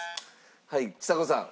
はいちさ子さん。